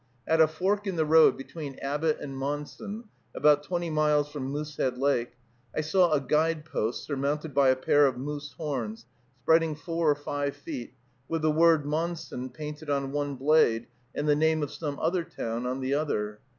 At a fork in the road between Abbot and Monson, about twenty miles from Moosehead Lake, I saw a guide post surmounted by a pair of moose horns, spreading four or five feet, with the word "Monson" painted on one blade, and the name of some other town on the other.